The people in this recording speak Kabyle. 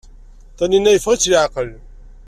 Tanninna yeffeɣ-itt leɛqel.